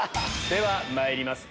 ではまいります